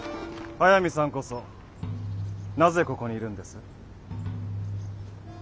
速水さんこそなぜここにいるんです？